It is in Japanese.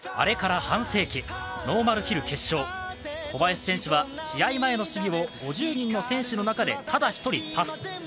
あれから半世紀、ノーマルヒル決勝小林選手は試合前の試技を５０人の選手の中でただ１人パス。